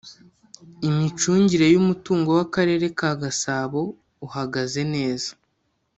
Imicungire y’ umutungo w’ akarere ka gasabo uhagaze neza